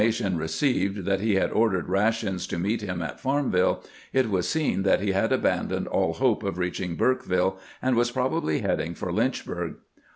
GRANT HUEKIES ON TO FAEMVILLE 457 received that lie liad ordered rations to meet Mm at Farmville, it was seen that he had abandoned all hope of reaching Burkeville, and was probably heading for Lynchbnrg.